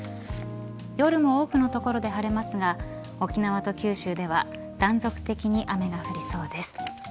夜も多くの所で晴れますが沖縄と九州では断続的に雨が降りそうです。